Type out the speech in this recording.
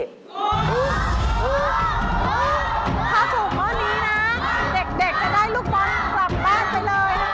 ถ้าถูกข้อนี้นะเด็กจะได้ลูกบอลกลับบ้านไปเลยนะคะ